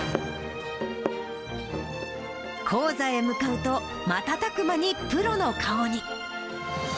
高座へ向かうと、瞬く間にプロの顔に。